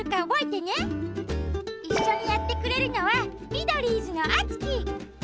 いっしょにやってくれるのはミドリーズのあつき！